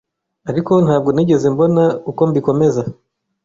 ariko ntabwo nigeze mbona uko mbikomeza